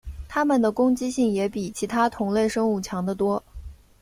它们的攻击性也比其他同类生物强得多。